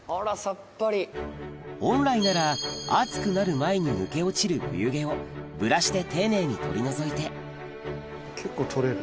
本来なら暑くなる前に抜け落ちる冬毛をブラシで丁寧に取り除いて結構取れる。